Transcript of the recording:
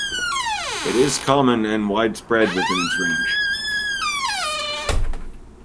It is common and widespread within its range.